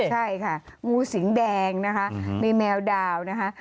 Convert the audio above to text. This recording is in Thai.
ใช่ค่ะงูสิงแดงนะคะมีแมวดาวนะคะ